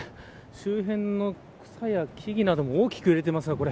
周辺の草や木々なども大きく揺れています。